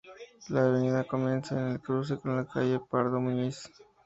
La avenida comienza en el cruce con la calle pardo, en Muñiz.